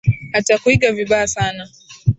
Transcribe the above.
Atakuiga vibaya sana.